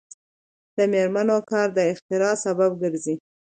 د میرمنو کار د اختراع سبب ګرځي.